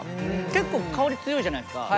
結構香り強いじゃないですか。